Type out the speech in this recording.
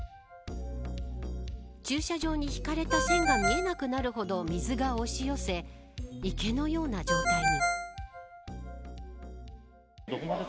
駐車場に引かれた線が見えなくなるほど水が押し寄せ池のような状態に。